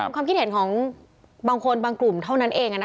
ความคิดเห็นของบางคนบางกลุ่มเท่านั้นเอง